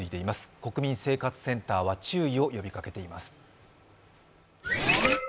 国民生活センターは注意を呼びかけています。